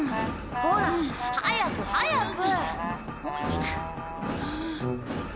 ほら早く早く！